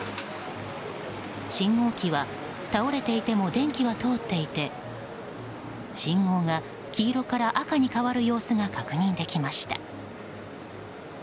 信号機は倒れていても電気は通っていて信号が黄色から赤に変わる様子が確認できました。